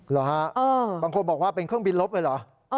หรือครับบางคนบอกว่าเป็นเครื่องบินรถเลยหรือ